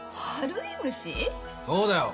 そうだよ。